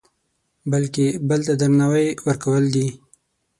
بلکې بل ته درناوی ورکول دي.